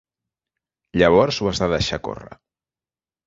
Llavors ho has de deixar córrer.